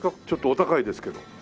ちょっとお高いですけど。